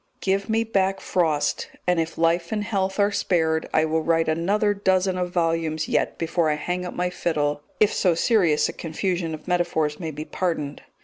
Give me back Frost, and, if life and health are spared, I will write another dozen of volumes yet before I hang up my fiddle if so serious a confusion of metaphors may be pardoned.